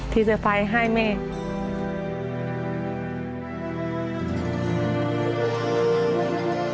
ที่เซอร์ไพรส์ให้แม่